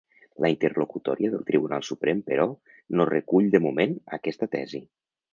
La interlocutòria del Tribunal Suprem, però, no recull de moment aquesta tesi.